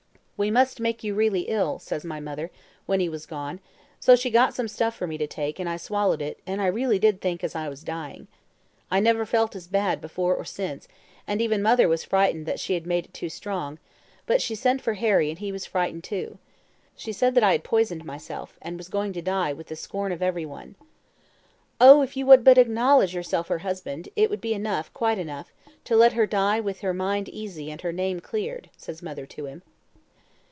"'We must make you really ill,' says my mother, when he was gone; so she got some stuff for me to take, and I swallowed it, and I really did think as I was dying. I never felt as bad before or since, and even mother was frightened that she had made it too strong, but she sent for Harry, and he was frightened too. She said that I had poisoned myself, and was going to die with the scorn of every one. "'Oh, if you would but acknowledge yourself her husband, it would be enough, quite enough, to let her die with her mind easy and her name cleared,' says mother to him.